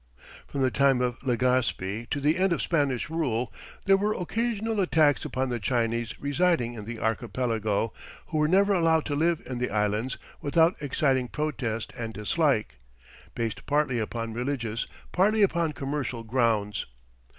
From the time of Legaspi to the end of Spanish rule there were occasional attacks upon the Chinese residing in the archipelago, who were never allowed to live in the Islands without exciting protest and dislike, based partly upon religious, partly upon commercial grounds.